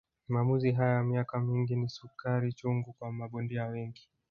Maamuzi haya ya miaka mingi ni sukari chungu kwa mabondia wengi